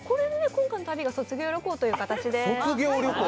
今回の旅が卒業旅行という形で。